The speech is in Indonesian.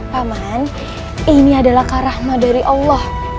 paman ini adalah karahma dari allah